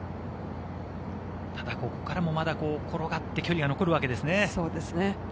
ただ、ここからも転がって距離が残るわけですね。